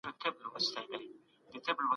انسان بايد ژبه وساتي.